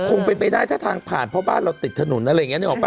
คงเป็นไปได้ถ้าทางผ่านเพราะบ้านเราติดถนนอะไรอย่างนี้นึกออกป่